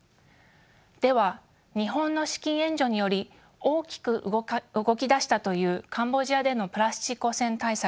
では日本の資金援助により大きく動き出したというカンボジアでのプラスチック汚染対策。